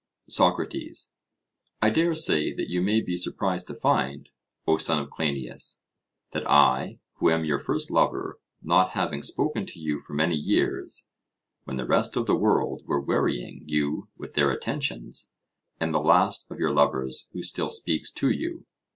SOCRATES: I dare say that you may be surprised to find, O son of Cleinias, that I, who am your first lover, not having spoken to you for many years, when the rest of the world were wearying you with their attentions, am the last of your lovers who still speaks to you.